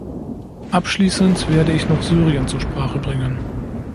Abschließend werde ich noch Syrien zur Sprache bringen.